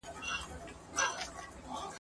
مشوره له چا؟ !.